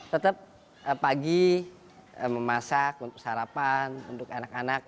tetap pagi memasak untuk sarapan untuk anak anak